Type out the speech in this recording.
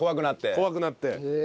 怖くなって。